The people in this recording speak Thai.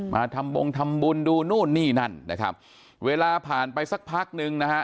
มาทำบงทำบุญดูนู่นนี่นั่นนะครับเวลาผ่านไปสักพักนึงนะฮะ